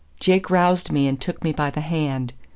Jake roused me and took me by the hand.